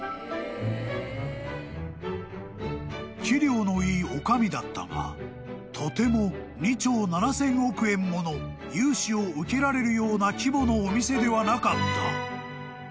［器量のいい女将だったがとても２兆７，０００億円もの融資を受けられるような規模のお店ではなかった］